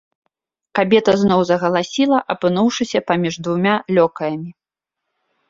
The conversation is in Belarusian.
Кабета зноў загаласіла, апынуўшыся паміж двума лёкаямі.